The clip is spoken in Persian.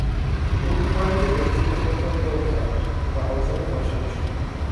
او تانک بنزین خود را پر کرد و عازم کاشان شد.